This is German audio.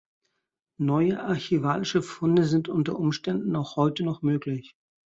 Neue archivalische Funde sind unter Umständen auch heute noch möglich.